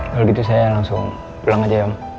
kalau gitu saya langsung pulang aja ya